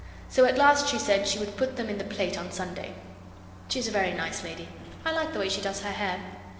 So at last she said she should put them in the plate on Sunday. She is a very nice lady. I like the way she does her hair.